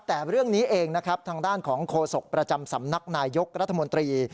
แต่เรื่องนี้เองนะครับทางด้านของโฆษกประจำสำนักนายยกรัฐมนตรี